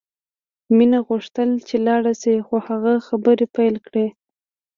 مینه غوښتل چې لاړه شي خو هغه خبرې پیل کړې